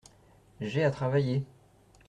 J’ai à travailler…